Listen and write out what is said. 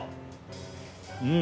うん。